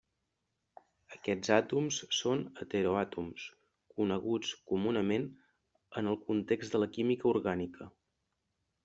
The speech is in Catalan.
Aquests àtoms són heteroàtoms coneguts comunament en el context de la química orgànica.